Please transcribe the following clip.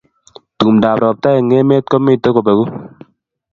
tumdo ab ropta eng emet ko mito kopegu